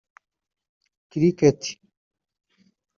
Cricket